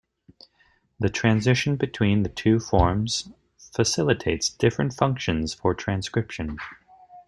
The transition between the two forms facilitates different functions for transcription.